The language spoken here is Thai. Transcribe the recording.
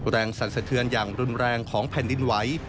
สั่นสะเทือนอย่างรุนแรงของแผ่นดินไหว